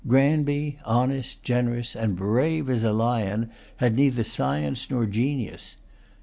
Granby, honest, generous, and brave as a lion, had neither science nor genius.